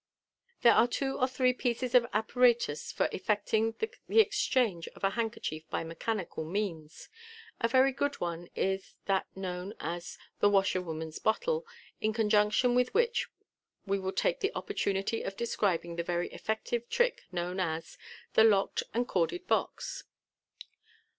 There are two or three pieces of apparatus for effecting the ex change of a handkerchief by mechanical means. A very good one is that known as "The Washerwoman's Bottle," in conjunction with which we will take the opportunity of describing the very effective trick known as Thb Locked and Corded Box.